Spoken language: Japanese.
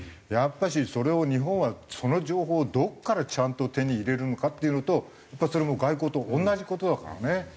やっぱしそれを日本はその情報をどこからちゃんと手に入れるのかっていうのとやっぱそれも外交と同じ事だからね。